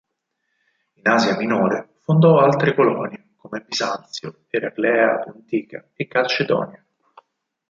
In Asia Minore fondò altre colonie come Bisanzio, Eraclea Pontica e Calcedonia.